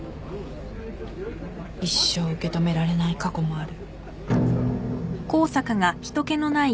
一生受け止められない過去もある。